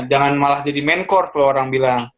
jangan malah jadi main course kalau orang bilang